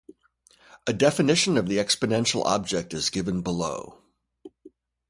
A definition of the exponential object is given below.